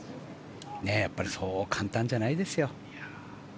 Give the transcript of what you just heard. やっぱりそう簡単じゃないですよ。